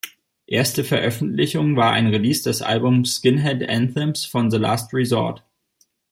Erste Veröffentlichung war ein Rerelease des Albums "Skinhead Anthems" von The Last Resort.